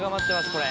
これ。